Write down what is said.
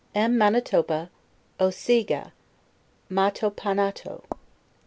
M. Manetopa. Osecgah. Mahtopanato.